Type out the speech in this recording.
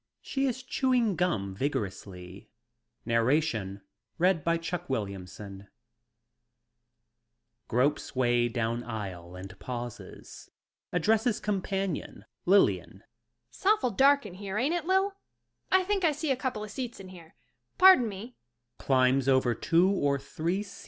She is chewing gum vigorously. Maisie at the Movies (Gropes way down aisle and pauses — addresses com panion Lilian.) S'awful dark in here, ain't it, Lil? I think I see a coupla seats in here. Pardon me.